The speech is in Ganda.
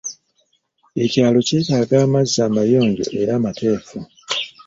Ekyalo kyetaaga amazzi amayonjo era amateefu.